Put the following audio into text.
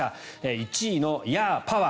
１位のヤー！パワー！